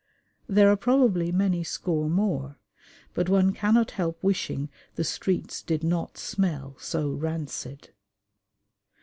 There are probably many score more, but one cannot help wishing the streets did not smell so rancid.